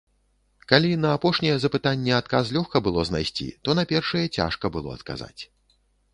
Калі на апошняе запытанне адказ лёгка было знайсці, то на першыя цяжка было адказаць.